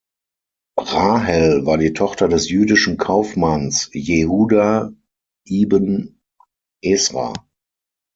Rahel war die Tochter des jüdischen Kaufmanns Jehuda Ibn Esra.